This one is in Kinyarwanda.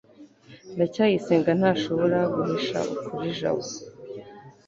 ndacyayisenga ntashobora guhisha ukuri jabo